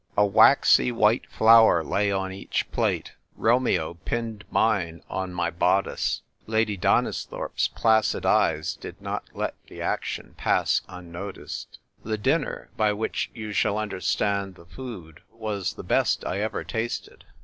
A waxy white flower lay on each plate: Romeo pinned mine on my bodice. Lady Donisthorpe's placid eyes did not let the action pass unnoticed. The dinner —by which you shall understand the food — was the best I ever tasted.